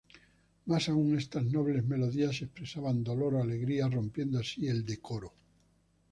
Más aún estas nobles melodías expresaban dolor o alegría, rompiendo así el "decoro.